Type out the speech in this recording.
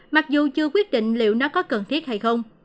mặc dù chưa quyết định liệu nó có cần thiết hay không